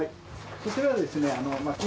こちらはですね。